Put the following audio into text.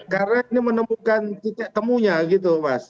karena ini menemukan titik temunya gitu mas